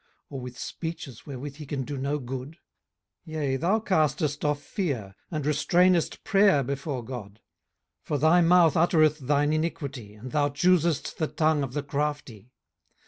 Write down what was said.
or with speeches wherewith he can do no good? 18:015:004 Yea, thou castest off fear, and restrainest prayer before God. 18:015:005 For thy mouth uttereth thine iniquity, and thou choosest the tongue of the crafty.